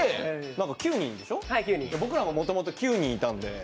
９人でしょ、僕らももともと９人いたんで。